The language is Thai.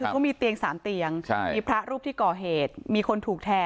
มันมีเตียงสามเตียงมีพระรูปที่ก่อเหตุ